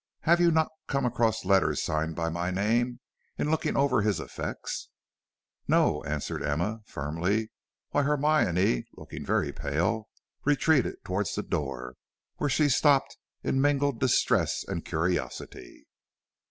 Have you not come across letters signed by my name, in looking over his effects?" "No," answered Emma, firmly, while Hermione, looking very pale, retreated towards the door, where she stopped in mingled distress and curiosity.